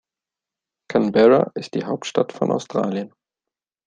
Canberra ist die Hauptstadt von Australien.